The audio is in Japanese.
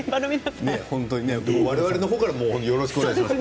我々の方からもよろしくお願いします。